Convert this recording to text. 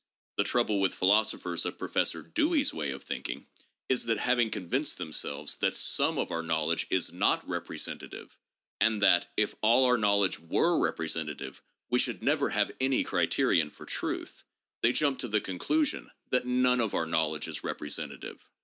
The trouble with philosophers of Professor Dewey's way of thinking is that, having convinced themselves that some of our knowledge is not representative, and that, if all our knowledge were representative, we should never have any criterion for truth, they jump to the conclusion that none of our knowledge is representative.